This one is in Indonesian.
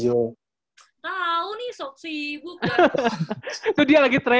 gak banyak banget gini almighty sealsa nih sih ya